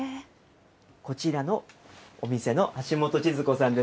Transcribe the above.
こちらのお店の橋本千寿子さんです。